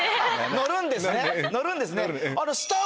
のるんですね